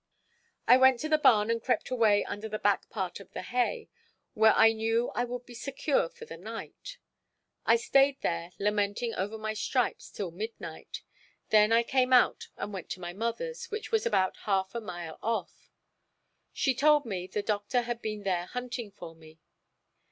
I went to the barn and crept away under the back part of the hay, where I knew I would be secure for the night. I stayed there lamenting over my stripes till midnight; then I came out and went to my mother's, which was about half a mile off. She told me the Doctor had been there hunting for me.